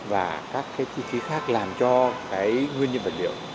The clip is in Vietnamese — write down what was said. và các cái chi phí khác làm cho cái nguyên nhân vật liệu